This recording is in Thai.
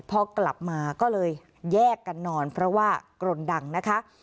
พอกลับมาก็เลยแยกกันนอนเพราะว่ากรนดังนะคะ